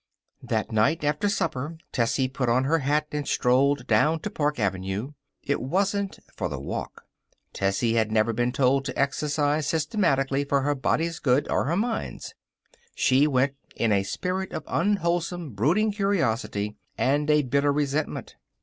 That night, after supper, Tessie put on her hat and strolled down to Park Avenue. It wasn't for the walk. Tessie had never been told to exercise systematically for her body's good, or her mind's. She went in a spirit of unwholesome brooding curiosity and a bitter resentment.